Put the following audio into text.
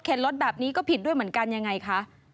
รถแบบนี้ก็ผิดด้วยเหมือนกันยังไงคะ